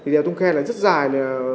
đèo thung khe rất dài